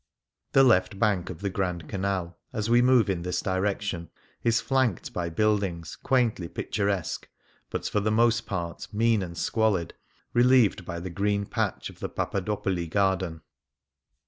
The left bank of the Grand Canal, as we move in this direction, is flanked by buildings quaintly picturesque, but for the most part mean and squalid, relieved by the green patch of the Papadopoli Garden.